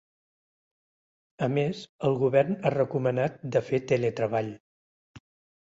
A més, el govern ha recomanat de fer teletreball.